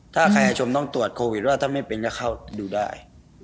ถ้าใครชมก็ตรวจโควิดล่ะถ้าไม่เป็นก็เข้าไปดูได้